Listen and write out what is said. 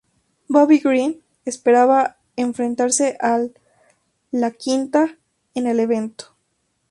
Bobby Green esperaba enfrentarse a Al Iaquinta en el evento.